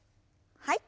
はい。